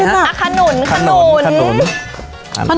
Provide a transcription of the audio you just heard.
อี้เพราะวลิคัน